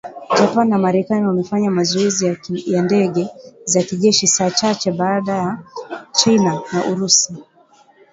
Japan na Marekani wamefanya mazoezi ya ndege za kijeshi saa chache baada ya China na Urusi